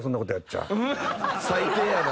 最低やな。